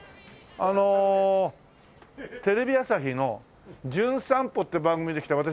あのテレビ朝日の『じゅん散歩』って番組で来た私